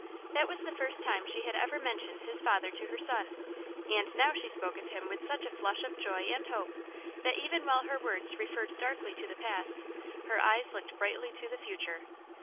That was the first time she had ever mentioned his father to her son, and now she spoke of him with such a flush of joy and hope that even while her words referred darkly to the past, her eyes looked brightly to the future.